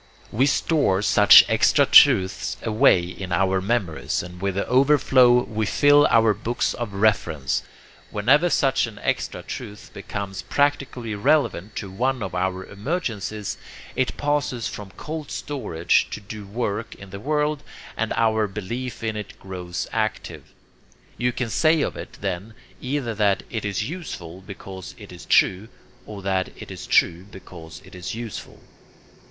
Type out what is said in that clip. We store such extra truths away in our memories, and with the overflow we fill our books of reference. Whenever such an extra truth becomes practically relevant to one of our emergencies, it passes from cold storage to do work in the world, and our belief in it grows active. You can say of it then either that 'it is useful because it is true' or that 'it is true because it is useful.'